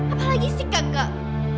apalagi si kakek